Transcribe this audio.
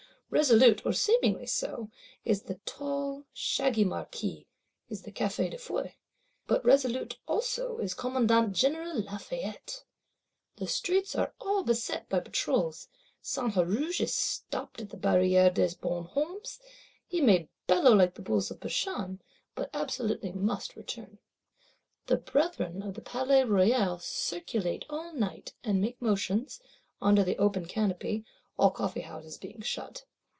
Resolute, or seemingly so, is the tall shaggy Marquis, is the Café de Foy: but resolute also is Commandant General Lafayette. The streets are all beset by Patrols: Saint Huruge is stopped at the Barrière des Bon Hommes; he may bellow like the bulls of Bashan; but absolutely must return. The brethren of the Palais Royal "circulate all night," and make motions, under the open canopy; all Coffee houses being shut.